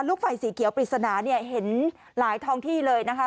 ลูกไฟสีเขียวปริศนาเนี่ยเห็นหลายท้องที่เลยนะคะ